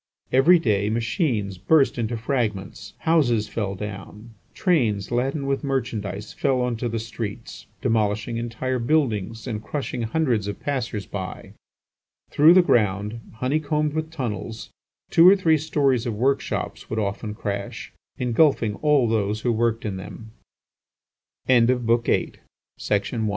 Every day, machines burst into fragments, houses fell down, trains laden with merchandise fell on to the streets, demolishing entire buildings and crushing hundreds of passers by. Through the ground, honey combed with tunnels, two or three storeys of work shops would often crash, engulfing all those who worked in them. §. 2 In the southwestern district of